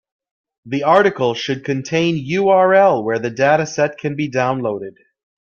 The article should contain URL where the dataset can be downloaded.